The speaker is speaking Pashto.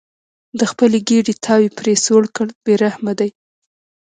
د خپلې ګېډې تاو یې پرې سوړ کړل بې رحمه دي.